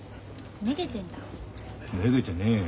めげてねえよ。